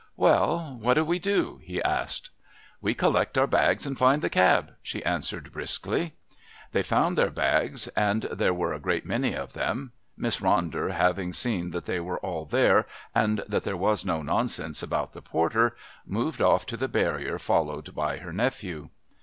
"Well, what do we do?" he asked. "We collect our bags and find the cab," she answered briskly. They found their bags, and there were a great many of them; Miss Ronder, having seen that they were all there and that there was no nonsense about the porter, moved off to the barrier followed by her nephew.